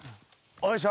おいしょ。